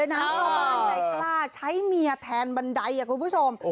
พ่อบานใจกล้าใช้เมียแทนบันไดคุณผู้ชม